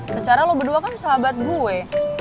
secara lo berdua kan sahabat gue